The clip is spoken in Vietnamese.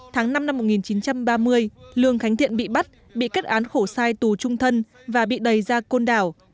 tháng năm năm một nghìn chín trăm ba mươi lường khánh thiện bị bắt bị kết án khổ sai tù trung thân và bị đầy ra côn đảo